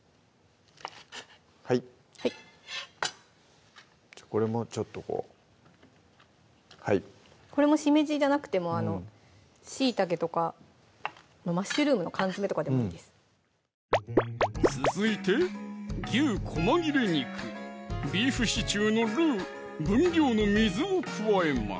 はいじゃあこれもちょっとこうこれもしめじじゃなくてもしいたけとかマッシュルームの缶詰めとかでもいいです続いて牛こま切れ肉・ビーフシチューのルウ・分量の水を加えます